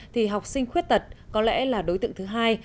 thì học sinh khuyết tật có lẽ là đối tượng thứ hai